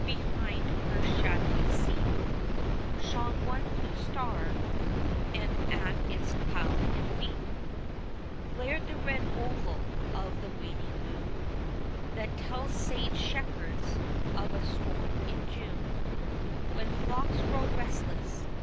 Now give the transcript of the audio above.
Behind her shadowy seat Shone one blue star and at its cloud hid feet Glared the red oval of the waning moon That tells sage shepherds of a storm in June When flocks grow restless.